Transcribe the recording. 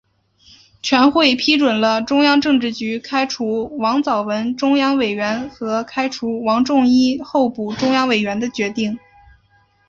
全会批准了中央政治局开除王藻文中央委员和开除王仲一候补中央委员的决定。